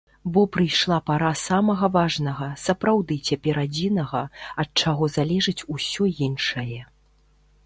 Бо прыйшла пара самага важнага, сапраўды цяпер адзінага, ад чаго залежыць усё іншае.